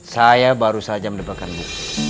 saya baru saja mendebakanmu